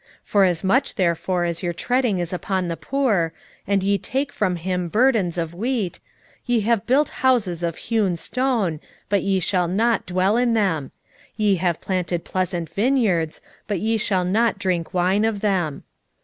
5:11 Forasmuch therefore as your treading is upon the poor, and ye take from him burdens of wheat: ye have built houses of hewn stone, but ye shall not dwell in them; ye have planted pleasant vineyards, but ye shall not drink wine of them.